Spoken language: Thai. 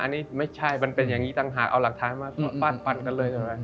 อันนี้ไม่ใช่มันเป็นอย่างนี้ต่างหากเอาหลักท้ายมาปั้นกันเลย